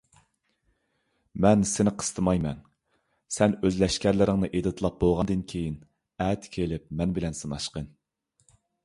مەن سېنى قىستىمايمەن. سەن ئۆز لەشكەرلىرىڭنى ئېدىتلاپ بولغاندىن كېيىن، ئەتە كېلىپ مەن بىلەن سىناشقىن.